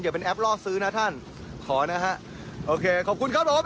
เป็นแอปล่อซื้อนะท่านขอนะฮะโอเคขอบคุณครับผม